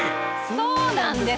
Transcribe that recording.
そうなんです。